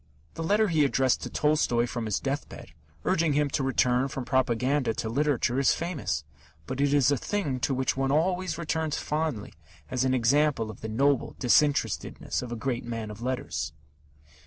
The letter he addressed to Tolstoy from his death bed, urging him to return from propaganda to literature, is famous, but it is a thing to which one always returns fondly as an example of the noble disinterestedness of a great man of letters.